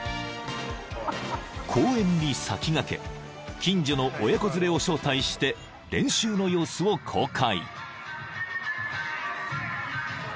［公演に先駆け近所の親子連れを招待して練習の様子を公開］